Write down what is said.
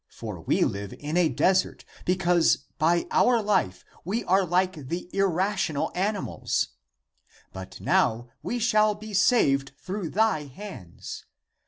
For we live in a desert, because by our life we are like the ir rational animals ; but now we shall be saved through thy hands.